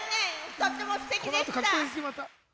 とってもすてきでした！